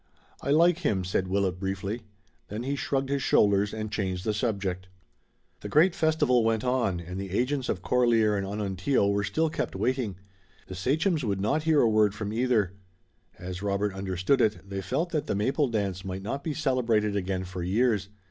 "I like him," said Willet briefly. Then he shrugged his shoulders, and changed the subject. The great festival went on, and the agents of Corlear and Onontio were still kept waiting. The sachems would not hear a word from either. As Robert understood it, they felt that the Maple Dance might not be celebrated again for years.